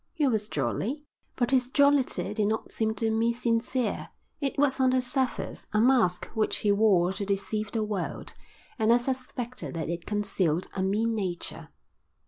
He was jolly, but his jollity did not seem to me sincere; it was on the surface, a mask which he wore to deceive the world, and I suspected that it concealed a mean nature.